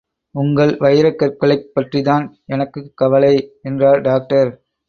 உங்கள் வைரக்கற்களைப் பற்றித்தான் எனக்குக் கவலை, என்றார் டாக்டர்.